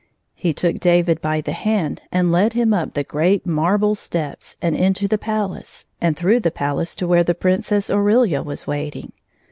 He took David by the hand and led him up the great marble steps, and into the palace, and through the palace to where the Princess Aurelia was waiting.